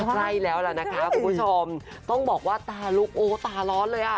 ใกล้แล้วล่ะนะคะคุณผู้ชมต้องบอกว่าตาลุกโอ้ตาร้อนเลยอ่ะ